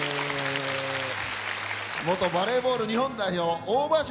元バレーボール日本代表